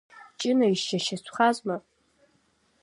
Ҷына изџьашьатәхазшәа.